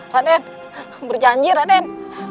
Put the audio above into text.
raden berjanji raden